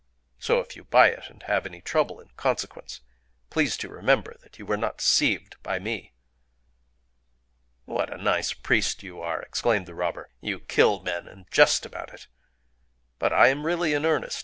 So, if you buy it, and have any trouble in consequence, please to remember that you were not deceived by me." "What a nice priest you are!" exclaimed the robber. "You kill men, and jest about it!... But I am really in earnest.